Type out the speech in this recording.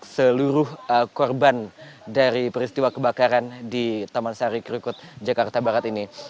seluruh korban dari peristiwa kebakaran di taman sari krukut jakarta barat ini